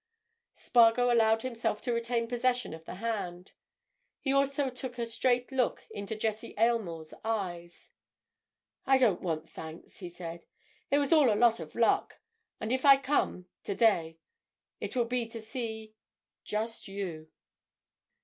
Spargo allowed himself to retain possession of the hand. Also he took a straight look into Jessie Aylmore's eyes. "I don't want thanks," he said. "It was all a lot of luck. And if I come—today—it will be to see—just you!"